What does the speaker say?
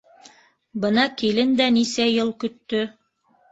Бына килен дә нисә йыл көттө.